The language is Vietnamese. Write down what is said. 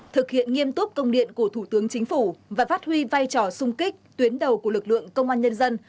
thực hiện nghiêm túc công điện của thủ tướng chính phủ và phát huy vai trò sung kích tuyến đầu của lực lượng công an nhân dân